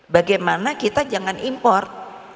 bagaimana kita jangan import